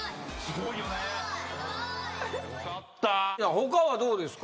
他はどうですか？